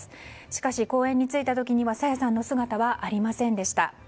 しかし、公園に着いた時には朝芽さんの姿はありませんでした。